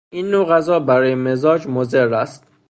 این نوع غذا برای مزاج مضر است.